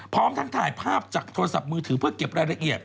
พร้อมทั้งถ่ายภาพจากโทรศัพท์มือถือเพื่อเก็บรายละเอียด